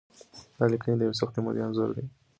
دا لیکنې د یوې سختې مودې انځور دی.